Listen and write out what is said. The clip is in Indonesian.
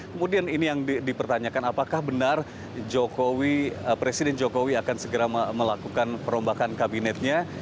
kemudian ini yang dipertanyakan apakah benar presiden jokowi akan segera melakukan perombakan kabinetnya